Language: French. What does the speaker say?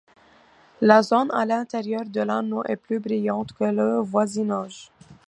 La zone à l'intérieur de l'anneau est plus brillante que le voisinage.